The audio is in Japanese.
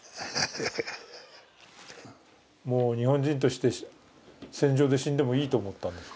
もう日本人として戦場で死んでもいいと思ったんですか。